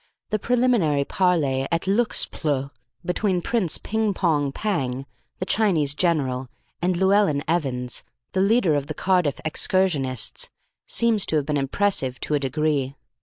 The preliminary parley at Lllgxtplll between Prince Ping Pong Pang, the Chinese general, and Llewellyn Evans, the leader of the Cardiff excursionists, seems to have been impressive to a degree.